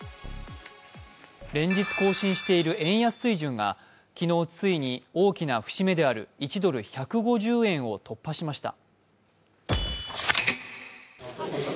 連日更新している円安水準が昨日ついに大きな節目である１ドル＝１５０円を突破しました。